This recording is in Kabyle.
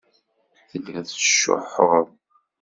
Telliḍ tettcuḥḥuḍ.